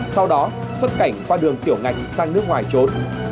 sau đó xuất cảnh qua đường tiểu ngạch sang nước ngoài trốn